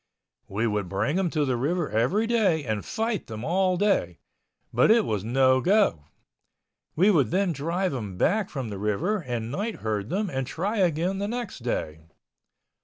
We would bring them to the river every day and fight them all day, but it was no go. We would then drive them back from the river and night herd them and try again the next day.